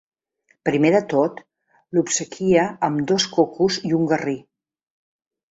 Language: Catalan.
Primer de tot, l'obsequia amb dos cocos i un garrí.